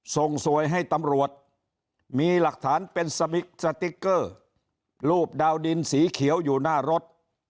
ส่งสวยให้ตำรวจมีหลักฐานเป็นสมิกสติ๊กเกอร์รูปดาวดินสีเขียวอยู่หน้ารถ